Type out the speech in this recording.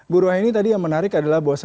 bu rohani tadi yang menarik adalah bahwa